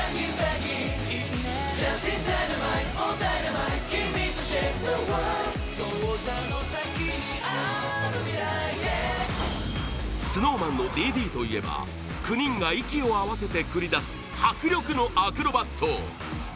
２１世紀の第６位はＳｎｏｗＭａｎの「Ｄ．Ｄ．」といえば９人が息を合わせて繰り出す迫力のアクロバット！